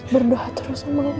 berdoa terus sama aku